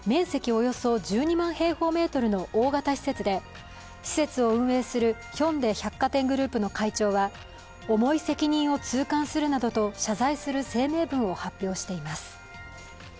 およそ１２万平方メートルの大型施設で施設を運営するヒョンデ百貨店グループの会長は重い責任を痛感するなどと謝罪する声明文を発表しています。